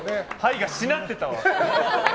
牌がしなってたわ。